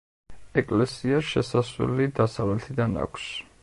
ეკლესიას შესასვლელი დასავლეთიდან აქვს.